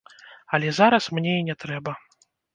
Але зараз мне і не трэба.